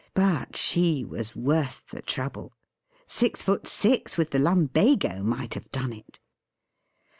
But she was worth the trouble. Six foot six, with the lumbago, might have done it.